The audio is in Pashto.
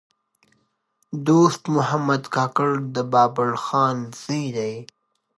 دوست محمد کاکړ د بابړخان زوی دﺉ.